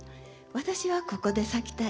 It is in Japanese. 私はここで咲きたい